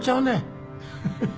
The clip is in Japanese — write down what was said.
フフフフ。